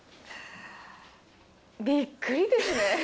びっくりですね。